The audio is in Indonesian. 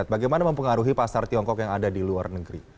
bagaimana mempengaruhi pasar tiongkok yang ada di luar negeri